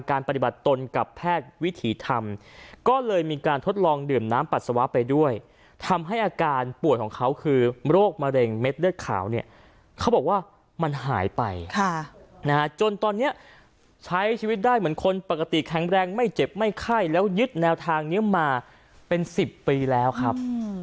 ปฏิบัติตนกับแพทย์วิถีธรรมก็เลยมีการทดลองดื่มน้ำปัสสาวะไปด้วยทำให้อาการป่วยของเขาคือโรคมะเร็งเม็ดเลือดขาวเนี่ยเขาบอกว่ามันหายไปจนตอนนี้ใช้ชีวิตได้เหมือนคนปกติแข็งแรงไม่เจ็บไม่ไข้แล้วยึดแนวทางนี้มาเป็น๑๐ปีแล้วครับ